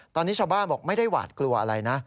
ตอนนี้ชาวบ้านบอกไม่ได้หวาดกลัวอะไรนะ